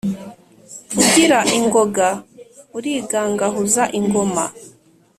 ugira ingoga urigangahuza ingoma.